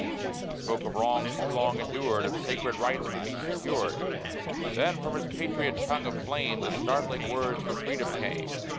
He spoke of wrongs too long endured, Of sacred rights to be secured; Then from his patriot tongue of flame The startling words for Freedom came.